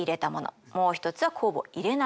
もう一つは酵母を入れないもの。